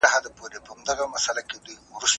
څنګه د کارګرو روزنه د تولید کیفیت لوړوي؟